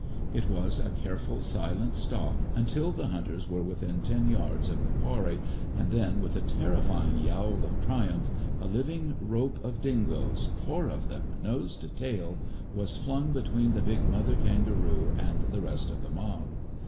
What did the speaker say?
It was a careful, silent stalk until the hunters were within ten yards of the quarry, and then with a terrifying yowl of triumph, a living rope of dingoes four of them, nose to tail was flung between the big mother kangaroo and the rest of the mob.